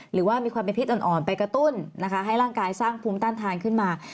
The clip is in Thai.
หรือว่ามีความเป็นพิษอ่อนไปกระตุ้นนะคะให้ร่างกายสร้างภูมิต้านทานขึ้นมา